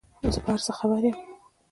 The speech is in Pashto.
زه په هر څه خبر یم ،